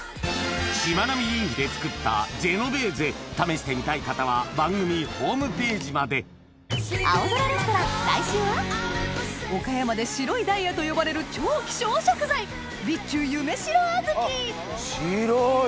しまなみリーフで作ったジェノベーゼ試してみたい方は番組ホームページまで岡山で「白いダイヤ」と呼ばれる超希少食材備中夢白小豆白い！